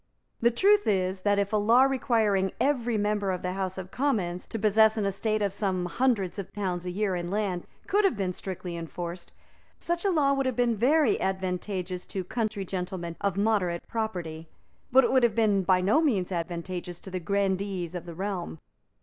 The truth is that, if a law requiring every member of the House of Commons to possess an estate of some hundreds of pounds a year in land could have been strictly enforced, such a law would have been very advantageous to country gentlemen of moderate property, but would have been by no means advantageous to the grandees of the realm.